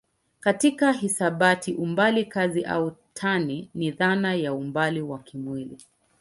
Katika hisabati umbali kazi au tani ni dhana ya umbali wa kimwili.